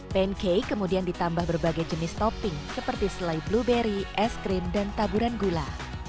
pancake kemudian ditambah berbagai jenis topping seperti selai blueberry es krim dan taburan gula